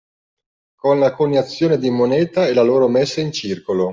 Con la coniazione di moneta e la loro messa in circolo.